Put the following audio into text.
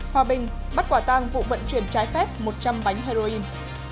hòa bình bắt quả tang vụ vận chuyển trái phép một trăm linh bánh heroin